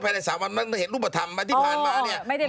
ใน๓วันมันเห็นรูปธรรมที่ผ่านมาเนี่ย